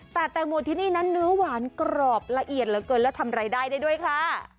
แต่แตงโมที่นี่นั้นเนื้อหวานกรอบละเอียดเหลือเกินและทำรายได้ได้ด้วยค่ะ